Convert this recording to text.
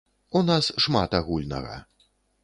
У нас шмат агульнага.